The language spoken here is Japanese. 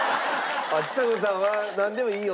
あっちさ子さんは「なんでもいいよ」と。